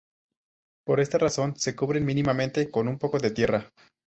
Por esta razón se cubren mínimamente con un poco de tierra.